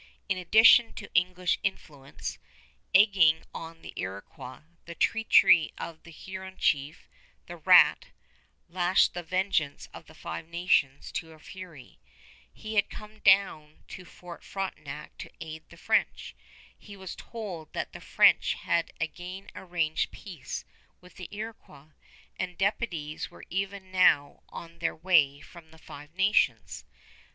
In addition to English influence egging on the Iroquois, the treachery of the Huron chief, The Rat, lashed the vengeance of the Five Nations to a fury. He had come down to Fort Frontenac to aid the French. He was told that the French had again arranged peace with the Iroquois, and deputies were even now on their way from the Five Nations.